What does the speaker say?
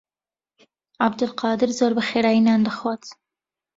عەبدولقادر زۆر بەخێرایی نان دەخوات.